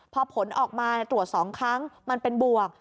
พอผลออกมาตรวจ๒ครั้งมันเป็นบวก